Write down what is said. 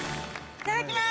いただきます。